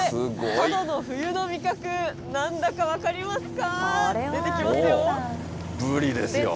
佐渡の冬味覚、なんだか分かりますか。